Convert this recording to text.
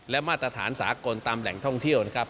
และมาตรฐานสากลตามแหล่งท่องเที่ยวนะครับ